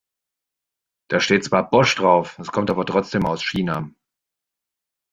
Da steht zwar Bosch drauf, es kommt aber trotzdem aus China.